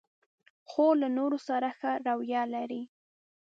خور له نورو سره ښه رویه لري.